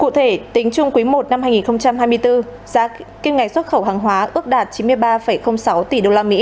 cụ thể tính chung quý i năm hai nghìn hai mươi bốn giá kim ngạch xuất khẩu hàng hóa ước đạt chín mươi ba sáu tỷ usd